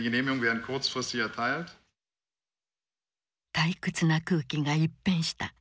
退屈な空気が一変した。